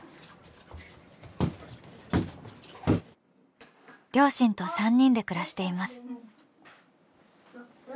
両親と３人で暮らしています。